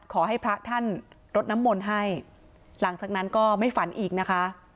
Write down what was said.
ขอให้พระท่านรดน้ำมนต์ให้หลังจากนั้นก็ไม่ฝันอีกนะคะ